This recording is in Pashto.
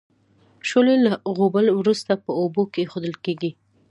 شولې له غوبل وروسته په اوبو کې اېښودل کیږي.